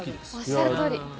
おっしゃるとおり。